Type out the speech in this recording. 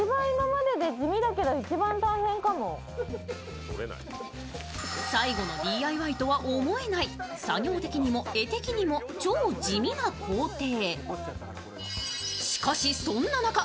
まずは最後のＤＩＹとは思えない作業的にも画的にも超地味な工程。